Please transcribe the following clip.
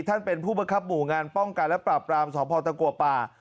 ท่านเป็นผู้บังคับหมู่งานป้องกันและปราบรามสพตะกัวป่า